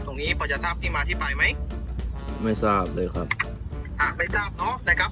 ตรงนี้พอจะทราบที่มาที่ไปไหมไม่ทราบเลยครับอ่าไม่ทราบเนอะนะครับ